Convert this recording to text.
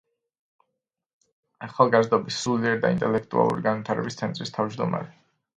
ახალგაზრდობის სულიერი და ინტელექტუალური განვითარების ცენტრის თავმჯდომარე.